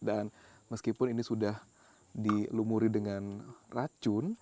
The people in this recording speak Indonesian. dan meskipun ini sudah dilumuri dengan racun